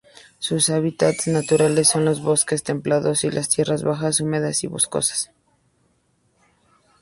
Sus hábitats naturales son los bosques templados y las tierras bajas, húmedas y boscosas.